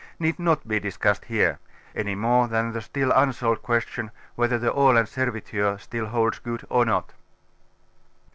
need not be discussed here; an3v more than the still unsolved question, whether the Aland Serviture still holds good or not.